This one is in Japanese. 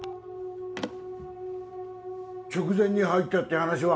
直前に入ったって話は？